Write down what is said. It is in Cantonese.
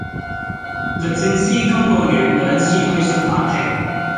律政司今個月兩次去信法庭